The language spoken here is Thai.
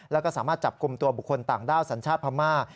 แล้วก็สามารถจับกลุ่มตัวบุคคลต่างด้าวสัญชาติพม่า